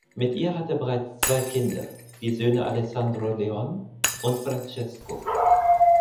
Mit ihr hat er bereits zwei Kinder, die Söhne Alessandro Leon und Francesco.